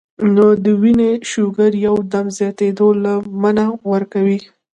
نو د وينې شوګر يو دم زياتېدو له نۀ ورکوي -